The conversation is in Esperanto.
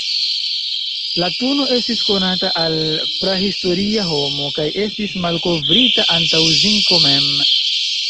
Latuno estis konata al prahistoria homo, kaj estis malkovrita antaŭ zinko mem.